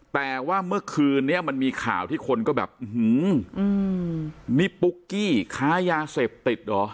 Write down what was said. แต่ว่าเมื่อคืนเนี่ยมันมีข่าวที่คนก็แบบขายาเสพติดหรอ